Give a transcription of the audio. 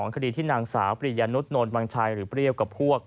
คดีที่นางสาวปริยนุษย์วังชัยหรือเปรี้ยวกับพวก